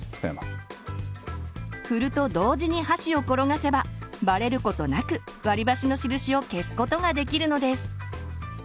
振ると同時に箸を転がせばバレることなく割り箸の印を消すことができるのです。